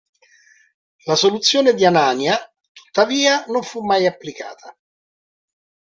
La soluzione di Anania, tuttavia, non fu mai applicata.